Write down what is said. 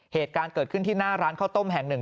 เหตุการณ์เกิดขึ้นที่หน้าร้านข้าวต้มแห่งหนึ่ง